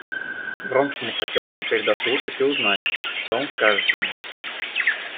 Вронскому хотелось теперь дослушать и узнать, что он скажет ему.